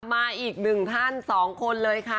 มาอีก๑ท่าน๒คนเลยค่ะ